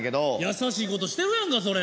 優しいことしてるやんかそれ。